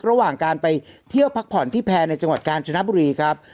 ระหว่างการไปเที่ยวพักผ่อนที่แพร่ในจังหวัดกาญจนบุรีครับ